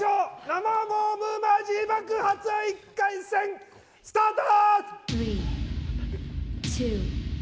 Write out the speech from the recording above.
生ボムマジ爆発１回戦スタート！